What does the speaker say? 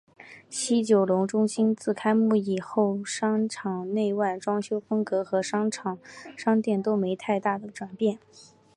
西九龙中心自开幕以后商场内外装修风格和商店都没太大的转变。